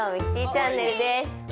チャンネルです。